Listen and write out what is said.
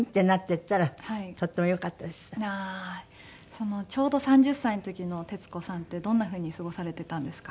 そのちょうど３０歳の時の徹子さんってどんなふうに過ごされていたんですか？